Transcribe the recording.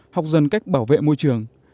học dần cách bảo vệ môi trường